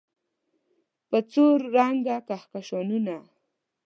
په څو رنګ کهکشانونه